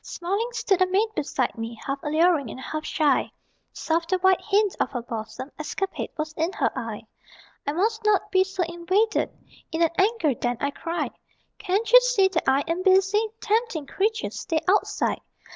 Smiling stood a maid beside me, Half alluring and half shy; Soft the white hint of her bosom Escapade was in her eye. "I must not be so invaded," (In an anger then I cried) "Can't you see that I am busy? Tempting creature, stay outside!